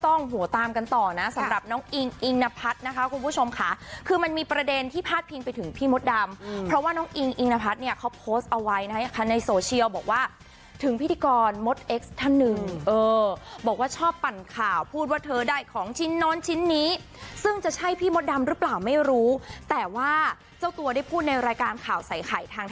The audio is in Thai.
หัวตามกันต่อนะสำหรับน้องอิงอิงนพัฒน์นะคะคุณผู้ชมค่ะคือมันมีประเด็นที่พาดพิงไปถึงพี่มดดำเพราะว่าน้องอิงอิงนพัฒน์เนี่ยเขาโพสต์เอาไว้นะคะในโซเชียลบอกว่าถึงพิธีกรมดเอ็กซ์ท่านหนึ่งเออบอกว่าชอบปั่นข่าวพูดว่าเธอได้ของชิ้นโน้นชิ้นนี้ซึ่งจะใช่พี่มดดำหรือเปล่าไม่รู้แต่ว่าเจ้าตัวได้พูดในรายการข่าวใส่ไข่ทาง